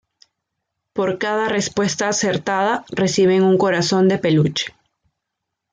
Por cada respuesta acertada, reciben un corazón de peluche.